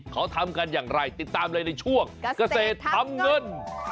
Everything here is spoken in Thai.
เขาทำกันอย่างไรติดตามเลยในช่วงเกษตรทำเงิน